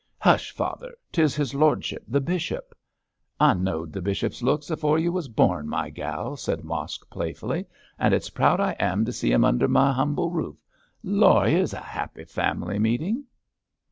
'Hush, father! 'tis his lordship, the bishop.' 'I know'd the bishop's looks afore you was born, my gal,' said Mosk, playfully, 'and it's proud I am to see 'im under m' umble roof. Lor'! 'ere's a 'appy family meeting.'